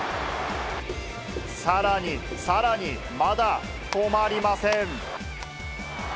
さらに、さらに、まだ止まりません。